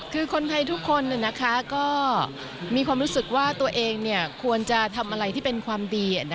คือคนไทยทุกคนก็มีความรู้สึกว่าตัวเองควรจะทำอะไรที่เป็นความดี